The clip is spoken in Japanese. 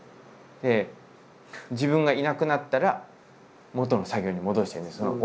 で自分がいなくなったらもとの作業に戻してるんですよ